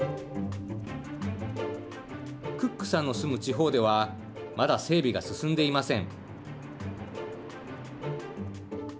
クックさんの住む地方ではまだ整備が進んでいません。